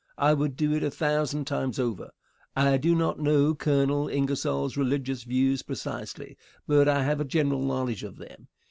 I would do it a thousand times over. I do not know Colonel Ingersoll's religious views precisely, but I have a general knowledge of them.